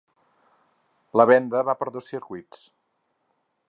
La venda va per dos circuits.